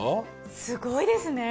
すごいですね。